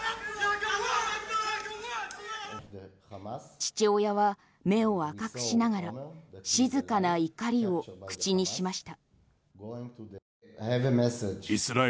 父親は目を赤くしながら静かな怒りを口にしました。